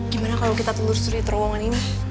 gimana kalau kita telur telur di terowongan ini